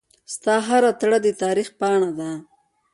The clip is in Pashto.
ستا هره تړه دتاریخ پاڼه ده